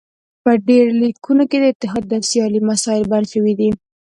په ډبرلیکونو کې د اتحاد او سیالۍ مسایل بیان شوي دي